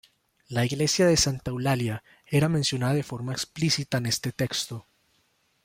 La iglesia de Santa Eulalia era mencionada de forma explícita en este texto.